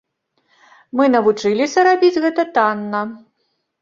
Мы навучыліся рабіць гэта танна.